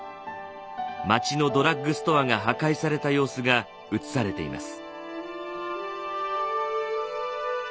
街のドラッグストアが破壊された様子が写されています。